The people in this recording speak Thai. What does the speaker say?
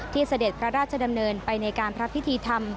เสด็จพระราชดำเนินไปในการพระพิธีธรรม